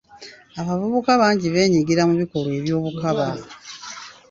Abavubuka bangi beenyigira mu bikolwa eby'obukaba.